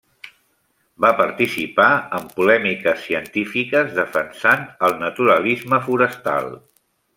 Va participar en polèmiques científiques defensant el naturalisme forestal.